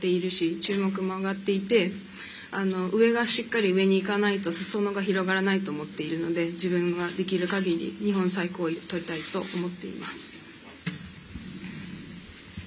注目も上がっていて上がしっかり上に行かないとすそ野が広がらないと思っているので自分ができる限り日本最高位を取りたいと思っています。